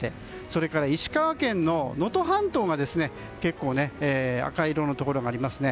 それから、石川県の能登半島が結構、赤色のところがありますね。